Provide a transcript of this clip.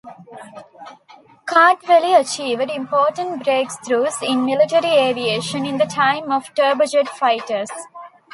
Kartveli achieved important breakthroughs in military aviation in the time of turbojet fighters.